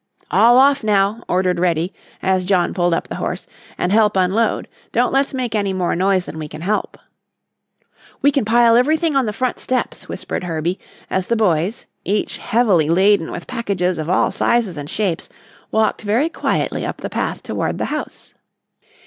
"All off, now," ordered Reddy, as John pulled up the horse, "and help unload. Don't let's make any more noise than we can help." "We can pile everything on the front steps," whispered Herbie, as the boys, each heavily laden with packages of all sizes and shapes, walked very quietly up the path toward the house.